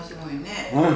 うん！